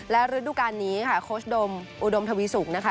และฤดูการนี้ค่ะโค้ชดมอุดมทวีสุกนะคะ